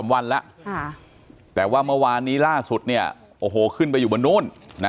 ๓วันแล้วแต่ว่าเมื่อวานนี้ล่าสุดเนี่ยโอ้โหขึ้นไปอยู่บนนู้นนะ